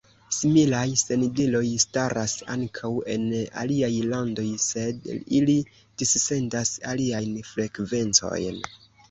Similaj sendiloj staras ankaŭ en aliaj landoj, sed ili dissendas aliajn frekvencojn.